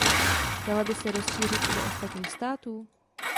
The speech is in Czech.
Dala by se rozšířit i do ostatních států?